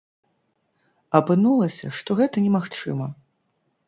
Апынулася, што гэта немагчыма.